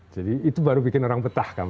jadi itu baru bikin orang betah kan